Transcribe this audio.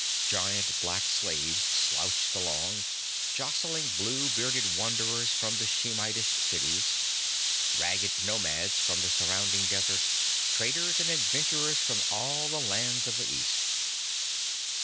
Giant black slaves slouched along, jostling blue bearded wanderers from the Shemitish cities, ragged nomads from the surrounding deserts, traders and adventurers from all the lands of the East.